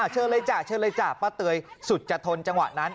เชิญเลยจ้ะป้าเตยสุดจะทนจังหวะนั้น